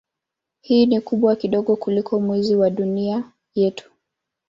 Hii ni kubwa kidogo kuliko Mwezi wa Dunia yetu.